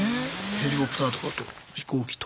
ヘリコプターとかと飛行機と。